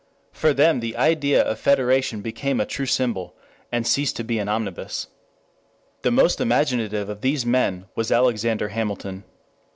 For them the idea of federation became a true symbol, and ceased to be an omnibus. The most imaginative of these men was Alexander Hamilton.